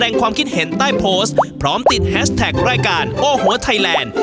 ความคิดเห็นใต้โพสต์พร้อมติดแฮชแท็กรายการโอ้โหไทยแลนด์